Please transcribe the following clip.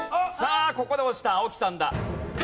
さあここで押した青木さんだ。